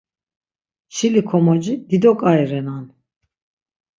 Çili-komoci dido ǩai renan.